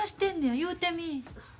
言うてみ。